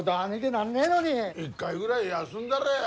一回ぐらい休んだらや？